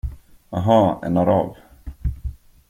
Aha, en arab.